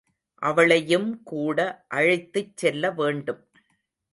அவளையும் கூட அழைத்துச் செல்ல வேண்டும்.